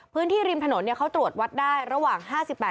พื้นที่ริมถนนเขาตรวจวัดได้ระหว่าง